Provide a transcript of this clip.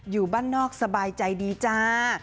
อยู่บ้านนอกสบายใจดีจ้า